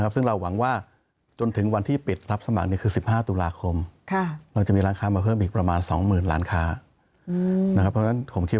ซึ่งเราหวังว่าจนถึงวันที่ปิดรับสมัครคือ๑๕ตุลาคม